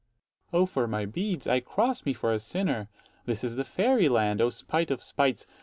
_ O, for my beads! I cross me for a sinner. This is the fairy land; O spite of spites!